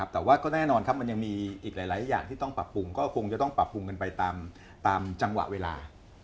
แต่ว่าก็แน่นอนครับมันยังมีอีกหลายอย่างที่ต้องปรับปรุงก็คงจะต้องปรับปรุงกันไปตามจังหวะเวลา